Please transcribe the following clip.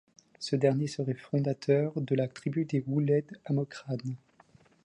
Ce dernier serait le fondateur de la tribu des Ouled Amokrane.